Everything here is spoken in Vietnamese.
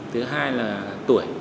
thứ hai là tuổi